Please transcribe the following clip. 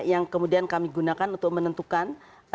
yang kemudian kami gunakan untuk menentukan